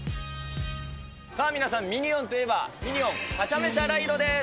さあ皆さん、ミニオンといえば、ミニオン・ハチャメチャ・ライドです。